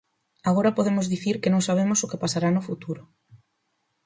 Agora podemos dicir que non sabemos o que pasará no futuro.